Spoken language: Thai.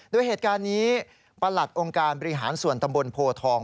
โดยเหตุการณ์นี้ประหลัดองค์การบริหารส่วนตำบลโพทอง